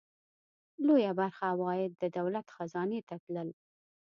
لویه برخه عواید د دولت خزانې ته تلل.